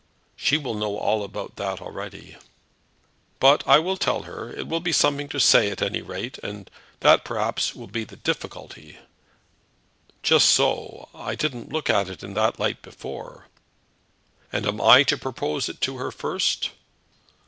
"She will know all about that already." "But I will tell her. It will be something to say, at any rate, and that, perhaps, will be the difficulty." "Just so! I didn't look at it in that light before." "And am I to propose it to her first?"